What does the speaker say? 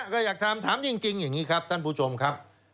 ก็อยากถามถามจริงอย่างนี้ครับท่านผู้ชมครับ